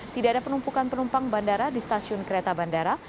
tidak ada penumpukan penumpang bandara di stasiun kereta bandara